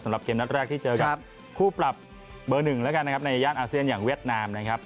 สำหรับเกมนัดแรกที่เจอกับคู่ปรับเบอร์๑ในย่านอาเซียนอย่างเวียดนามนะครับ